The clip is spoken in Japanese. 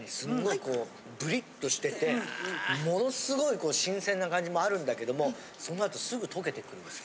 こうブリッとしててもの凄いこう新鮮な感じもあるんだけどもそのあとすぐ溶けてくるんですよ。